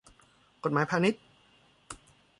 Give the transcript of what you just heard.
กฎหมายพาณิชย์